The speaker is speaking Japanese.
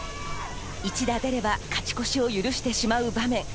一打出れば勝ち越しを許してしまう場面。